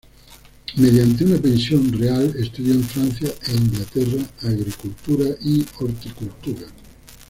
Mediante una pensión real estudió en Francia e Inglaterra agricultura y horticultura.